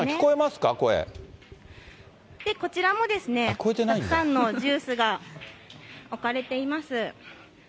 こちらもですね、たくさんのジュースが置かれています。